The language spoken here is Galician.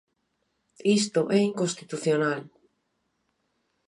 Isto é inconstitucional.